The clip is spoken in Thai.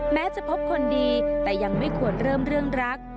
แม้จะพบคนดีแต่ยังไม่ควรเริ่มเรื่องรัก